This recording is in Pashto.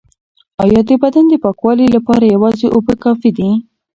ایا د بدن د پاکوالي لپاره یوازې اوبه کافی دي؟